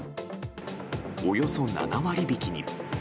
およそ７割引きに。